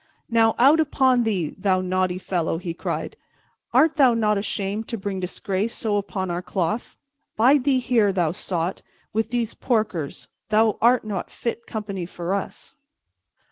"Now, out upon thee, thou naughty fellow!" he cried. "Art thou not ashamed to bring disgrace so upon our cloth? Bide thee here, thou sot, with these porkers. Thou art no fit company for us."